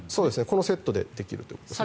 このセットでできるということです。